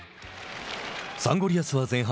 サンゴリアスは前半。